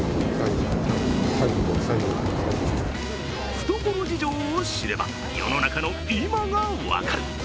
懐事情を知れば、世の中の今が分かる。